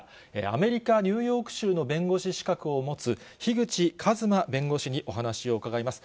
アメリカ・ニューヨーク州の弁護士資格を持つ、樋口一磨弁護士にお話を伺います。